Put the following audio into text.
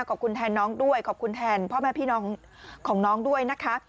ขอบคุณแทนน้องด้วยขอบคุณแทนพ่อแม่พี่น้องของน้องด้วยนะคะ